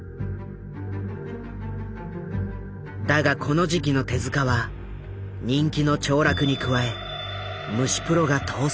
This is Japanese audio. だがこの時期の手は人気の凋落に加え虫プロが倒産。